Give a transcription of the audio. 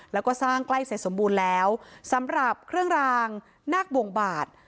แล้วก็สร้างใกล้เสร็จสมบูรณ์แล้วสำหรับเครื่องรางนาคบวงบาท